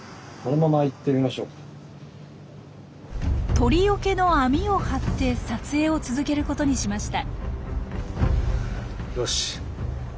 鳥よけの網を張って撮影を続けることにしました。